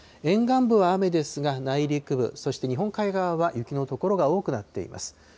沿岸部は雨ですが、内陸部、そして日本海側は雪の所が多くなっています。